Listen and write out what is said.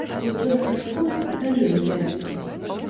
Вось толькі адкуль і калі ён з'явіцца?